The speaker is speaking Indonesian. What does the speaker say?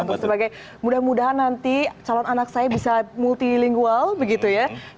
untuk sebagai mudah mudahan nanti calon anak saya bisa multi lingual begitu ya